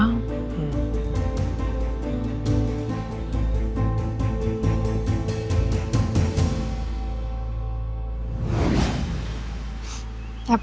มันอภัยบ้าง